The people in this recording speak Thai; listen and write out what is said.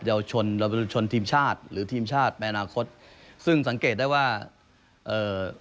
เยาวชนเราเป็นชนทีมชาติหรือทีมชาติในอนาคตซึ่งสังเกตได้ว่าเอ่อ